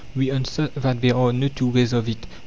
We answer that there are no two ways of it.